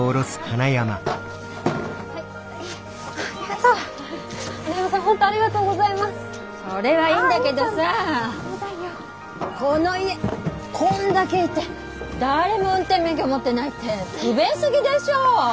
それはいいんだけどさこの家こんだけいて誰も運転免許持ってないって不便すぎでしょう。